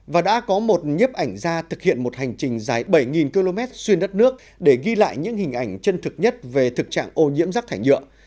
và đã có một nhiếp ảnh ra thực hiện một hành trình dài bảy km xuyên đất nước để ghi lại những hình ảnh chân thực nhất về thực trạng ô nhiễm rác thải nhựa